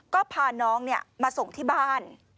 ก็พาน้องมาส่งที่บ้าน